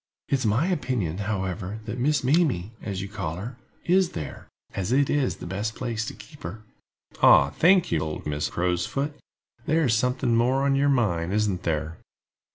It is my opinion, however, that Miss Mamie, as you call her, is there, as it is the best place to keep her." "Ah, thank you, old Mrs. Crow's foot. There is something more on your mind, isn't there?"